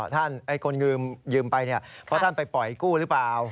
คนยืมไปเพราะท่านไปปล่อยกู้หรือเปล่า